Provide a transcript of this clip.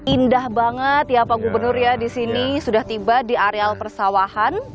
indah banget ya pak gubernur ya di sini sudah tiba di areal persawahan